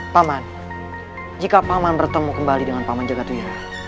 pak man jika pak man bertemu kembali dengan pak man jagadwira